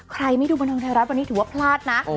ใครไม่ดูบันเทิงไทยรัฐวันนี้ถือว่าพลาดนะ